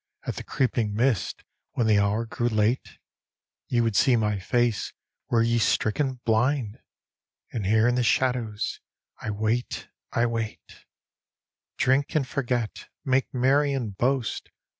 At the creeping mists when the hour grew late? Ye would sec my face wctc ye stricken blind ! And here in the shadows I wait, I wait I Drink and forget, make merry and boast.